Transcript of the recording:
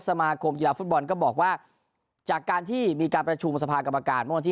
สมาคมกีฬาฟุตบอลก็บอกว่าจากการที่มีการประชุมสภากรรมการเมื่อวันที่